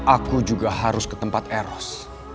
aku juga harus ke tempat eros